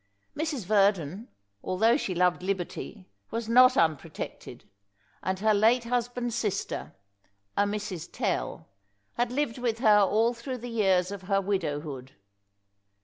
Mrs. Verdon, although she loved liberty, was not unprotected, and her late husband's sister a Mrs. Tell had lived with her all through the years of her widowhood.